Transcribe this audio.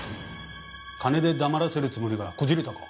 金で黙らせるつもりがこじれたか？